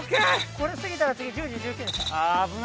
これ過ぎたら次１０時１９でした。